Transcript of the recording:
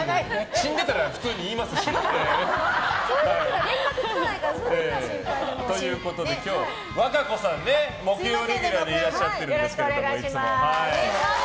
死んでたら普通に言いますし。ということで今日、和歌子さんいつも木曜レギュラーでいらっしゃってるんですけど。